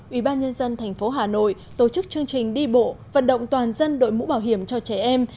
ủy ban nhân dân tp hà nội tổ chức chương trình đi bộ vận động toàn dân đội mũ bảo hiểm cho trẻ em